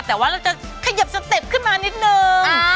แต่ว่าเราจะขยับสเต็ปขึ้นมานิดนึง